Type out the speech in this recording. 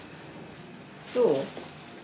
どう？